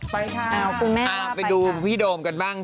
นี่ค่ะขอบคุณแม่นไปกันเข้าไปดูพี่โดมกันบ้าง